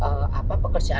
dengan dinas pekerjaan umum